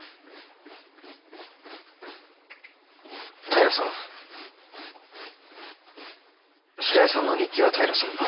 平さん白井さんの日記は平さんが。